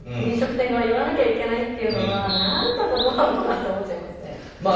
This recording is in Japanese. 飲食店側が言わなきゃいけないっていうのは何だか、どうなのかなと思っちゃいますね。